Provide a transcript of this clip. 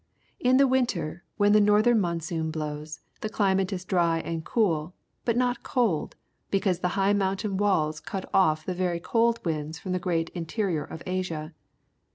In the winter, when the northern monsoon blows, the cUmate is dry and cool, but not cold, because the high mountain wall cuts off the veiy cold winds from the great interior of Asia.